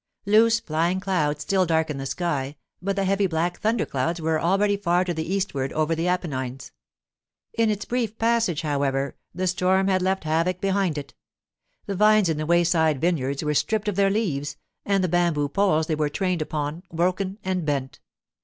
Loose, flying clouds still darkened the sky, but the heavy black thunder clouds were already far to the eastward over the Apennines. In its brief passage, however, the storm had left havoc behind it. The vines in the wayside vineyards were stripped of their leaves, and the bamboo poles they were trained upon broken and bent.